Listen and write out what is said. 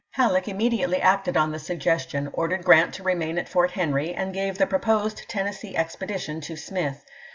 Halleck immediately acted on the suggestion, ordered Grant to remain at Fort Henry, and gave the proposed Tennessee expedition to Smith.